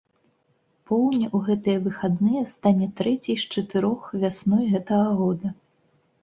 Поўня ў гэтыя выхадныя стане трэцяй з чатырох вясной гэтага года.